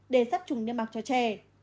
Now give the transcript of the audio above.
để sắp trùng niêm mạc cho trẻ